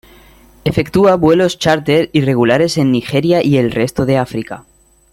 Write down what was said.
Efectúa vuelos chárter y regulares en Nigeria y el resto de África.